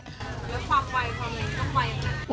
แล้วความไหวความยังไหว